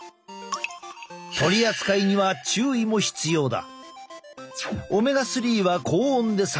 取り扱いには注意も必要だ。